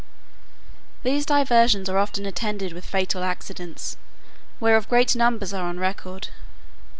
These diversions are often attended with fatal accidents, whereof great numbers are on record.